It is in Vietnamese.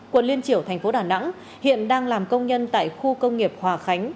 quận liên triểu tp đà nẵng hiện đang làm công nhân tại khu công nghiệp hòa khánh